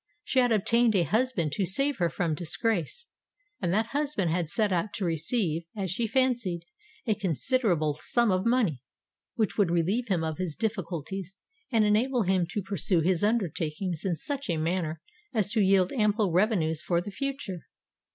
She had obtained a husband to save her from disgrace; and that husband had set out to receive, as she fancied, a considerable sum of money, which would relieve him of his difficulties, and enable him to pursue his undertakings in such a manner as to yield ample revenues for the future!